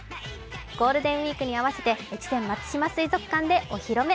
ゴールデンウイークに合わせて越前松島水族館でお披露目。